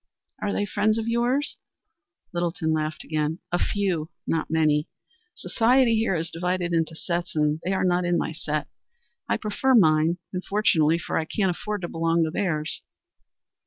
"Are they friends of yours?" Littleton laughed again. "A few not many. Society here is divided into sets, and they are not in my set. I prefer mine, and fortunately, for I can't afford to belong to theirs."